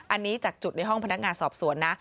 อันนี้จากจุดในห้องพนักงานสอบสวนนะ